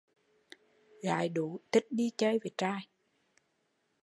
Gái đú thích đi chơi với trai